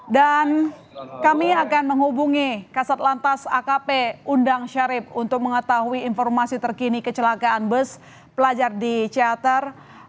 dan kami akan menghubungi kaset lantas akp undang syarif untuk mengetahui informasi terkini kecelakaan bus pelajar di ciater